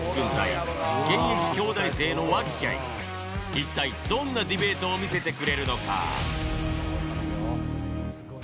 一体どんなディベートを見せてくれるのか？